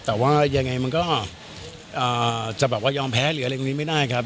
แต่ว่ายังไงมันก็จะแบบว่ายอมแพ้หรืออะไรตรงนี้ไม่ได้ครับ